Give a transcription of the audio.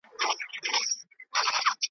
ما هم د جهاني له غزل زېری دی اخیستی .